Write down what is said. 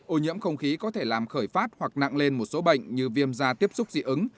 ô nhiễm không khí có thể làm khởi phát hoặc nặng lên một số bệnh như viêm da tiếp xúc dị ứng